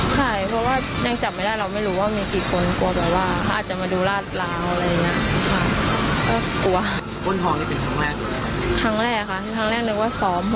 ทั้งแรกค่ะทั้งแรกนึกว่าส้อม